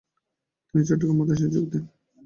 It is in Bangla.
তিনি চট্টগ্রাম মাদ্রাসায় যোগ দেন।